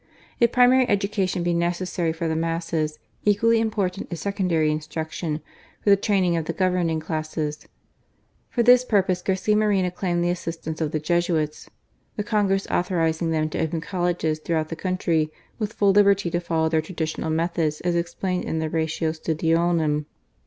If primary education be necessary for the masses, equally important is secondary instruction for the training of the governing classes. For this purpose Garcia Moreno claimed the assistance of the Jesuits, the Congress authorizing tbem to open Colleges throughout the country with full liberty to follow PUBLIC EDUCATION. 231 their traditional methods as explained in the Ratio studiorum.